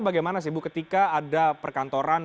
bagaimana ketika ada perkantoran